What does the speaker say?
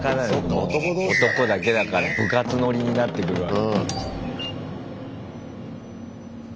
男だけだから部活ノリになってくるわ。